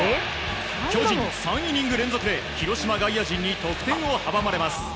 巨人、３イニング連続で広島外野陣に得点を阻まれます。